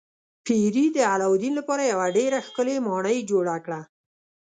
پیري د علاوالدین لپاره یوه ډیره ښکلې ماڼۍ جوړه کړه.